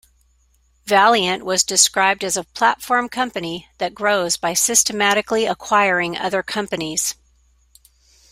Valeant was described as a platform company that grows by systematically acquiring other companies.